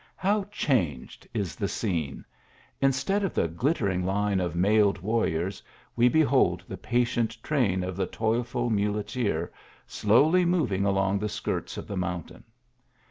How changed is the scene ! Instead cf the glittering line of mailed warriors, we behold the patient train of the toilful muleteer, slowly moving along the skirts of the mountain.